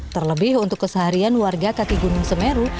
terlebih untuk keseharian warga kaki gunung semeru